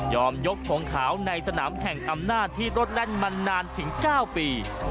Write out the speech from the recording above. ยกทงขาวในสนามแห่งอำนาจที่รถแล่นมานานถึง๙ปี